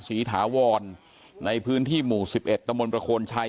ศรีถาวรในพื้นที่หมู่๑๑ตมประโคนชัย